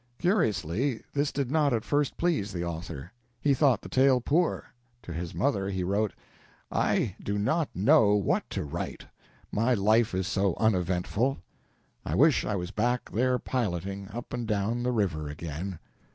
Curiously, this did not at first please the author. He thought the tale poor. To his mother he wrote: I do not know what to write; my life is so uneventful. I wish I was back there piloting up and down the river again.